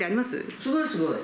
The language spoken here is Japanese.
すごいすごい。